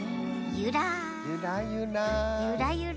ゆらゆら。